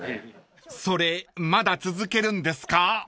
［それまだ続けるんですか？］